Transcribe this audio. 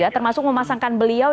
termasuk memasangkan beliau